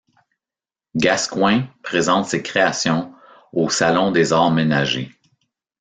Gascoin présente ses créations au Salon des arts ménagers.